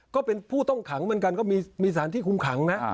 ก็เป็นผู้ต้องขังเหมือนกันก็มีสารที่คุมขังนะ